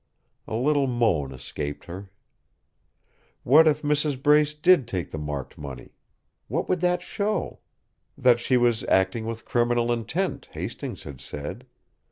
A little moan escaped her. What if Mrs. Brace did take the marked money? What would that show? That she was acting with criminal intent, Hastings had said.